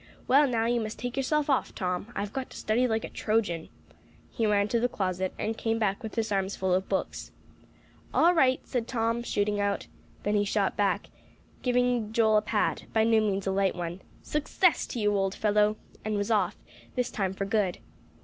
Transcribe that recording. "Well, now, you must take yourself off, Tom; I've got to study like a Trojan." He ran to the closet, and came back with his arms full of books. "All right," said Tom, shooting out. Then he shot back, gave Joel a pat by no means a light one; "Success to you, old fellow!" and was off, this time for good.